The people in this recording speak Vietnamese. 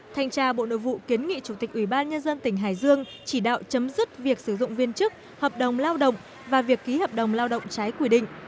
thanh tra bộ nội vụ kiến nghị chủ tịch ủy ban nhân dân tỉnh hải dương chỉ đạo chấm dứt việc sử dụng viên chức hợp đồng lao động và việc ký hợp đồng lao động trái quy định